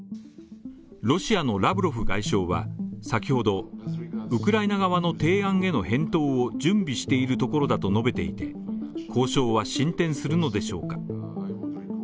ロシアのラブロフ外相は先ほど、ウクライナ側の提案への返答を準備しているところだと述べていて、交渉は進展するのでしょうか。